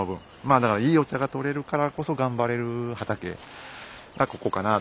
だからいいお茶がとれるからこそ頑張れる畑がここかなあ。